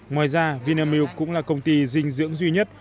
ngoài ra vinamilk cũng là công ty dinh dưỡng duy nhất